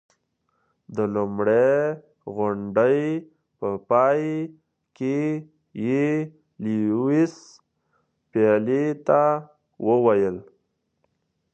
د لومړۍ غونډې په پای کې یې لیویس پیلي ته وویل.